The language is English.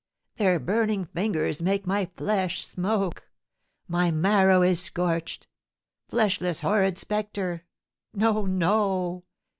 Their burning fingers make my flesh smoke; my marrow is scorched! Fleshless, horrid spectre! No no!